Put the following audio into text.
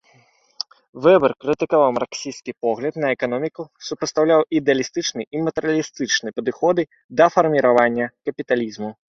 Вебер крытыкаваў марксісцкі погляд на эканоміку, супастаўляў ідэалістычны і матэрыялістычны падыходы да фарміравання капіталізму.